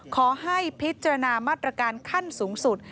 ขอให้พิจารณามาตรการขั้นสูงสุด